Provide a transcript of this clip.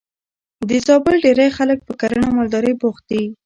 د زابل ډېری خلک په کرنه او مالدارۍ بوخت دي.